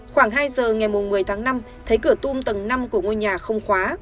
khoảng hai giờ ngày một mươi tháng năm thấy cửa tung tầng năm của ngôi nhà không khóa